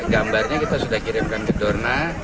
gambarnya kita sudah kirimkan ke dorna